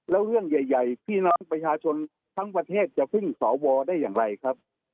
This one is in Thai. แล้วเรื่องใหญ่พี่น้องประชาชนทั้งประเทศจะพึ่งสวได้อย่างไรครับ